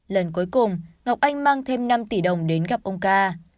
lần cuối cùng ngọc anh mang thêm năm tỷ đồng đến gặp ông ca